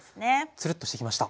つるっとしてきました。